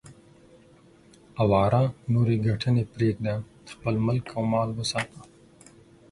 اواره نورې ګټنې پرېږده، خپل ملک او مال وساته.